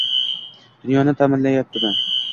dunyoni ta’minlamayapti?